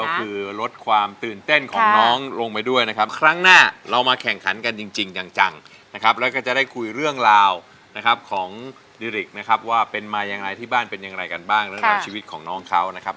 ก็คือลดความตื่นเต้นของน้องลงไปด้วยนะครับครั้งหน้าเรามาแข่งขันกันจริงจังนะครับแล้วก็จะได้คุยเรื่องราวนะครับของดิริกนะครับว่าเป็นมายังไงที่บ้านเป็นอย่างไรกันบ้างเรื่องราวชีวิตของน้องเขานะครับ